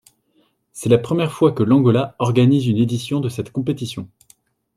C'est la première fois que l'Angola organise une édition de cette compétition.